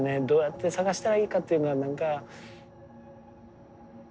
どうやって捜したらいいかっていうのはなんか。